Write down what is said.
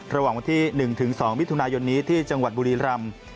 ระหว่างวันที่๑๒มิถุนายนนี้ที่จังหวัดบุรีรำ